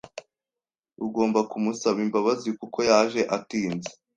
Ugomba kumusaba imbabazi kuko yaje atinze.